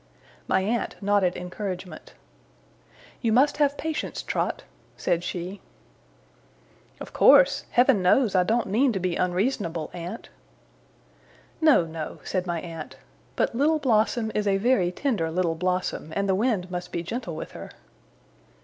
My aunt nodded encouragement. 'You must have patience, Trot,' said she. 'Of course. Heaven knows I don't mean to be unreasonable, aunt!' 'No, no,' said my aunt. 'But Little Blossom is a very tender little blossom, and the wind must be gentle with her.